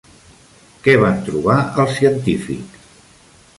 Què van trobar els científics?